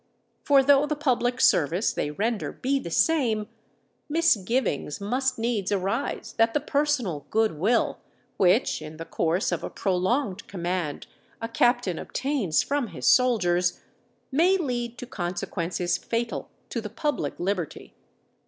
For though the public service they render be the same, misgivings must needs arise that the personal good will which, in the course of a prolonged command, a captain obtains from his soldiers, may lead to consequences fatal to the public liberty.